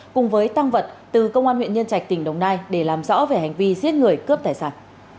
cùng với tăng vật từ công an huyện nhân trạch tỉnh đồng nai để làm rõ về hành vi giết người cướp tài sản